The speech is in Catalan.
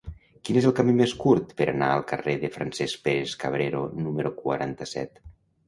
Quin és el camí més curt per anar al carrer de Francesc Pérez-Cabrero número quaranta-set?